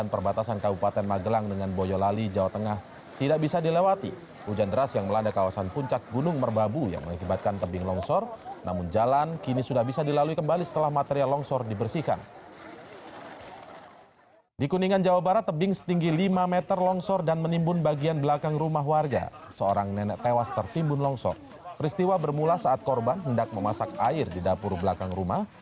peristiwa bermula saat korban hendak memasak air di dapur belakang rumah